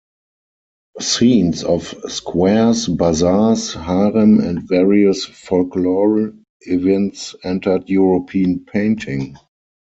Scenes of squares, bazaars, harem and various folklore events entered European painting.